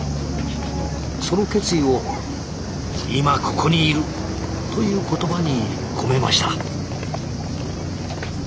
その決意を「今ここにいる」という言葉に込めました。